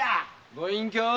ご隠居！